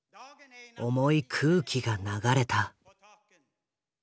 重い空気が流れた。